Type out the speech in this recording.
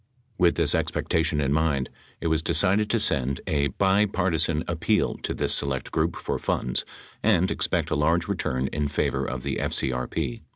With this expectation in mind, it was decided to send a "bipartisan" appeal to this select group for funds and expect a large return in favor of the FCRP.